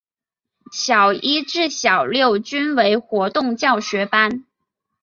小一至小六均为活动教学班。